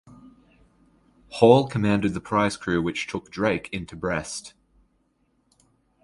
Hall commanded the prize crew which took "Drake" into Brest.